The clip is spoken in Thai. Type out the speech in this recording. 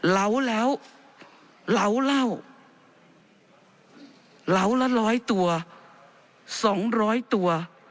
เหลาแล้วเหลาเล่าเหลาแล้วร้อยตัวสองร้อยตัว